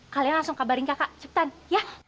kalian langsung kabarin kakak ciptaan ya